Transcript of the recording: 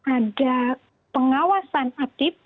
ada pengawasan aktif